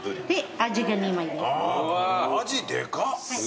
アジでか！